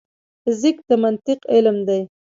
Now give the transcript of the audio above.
فزیک د منطق علم دی